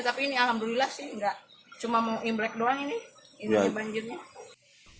tapi ini alhamdulillah sih nggak cuma mau imlek doang ini ini aja banjirnya